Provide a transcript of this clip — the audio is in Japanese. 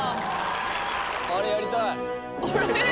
あれやりたい